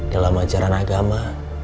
dalam ajaran agama